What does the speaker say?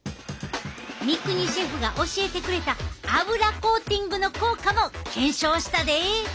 三國シェフが教えてくれた油コーティングの効果も検証したで。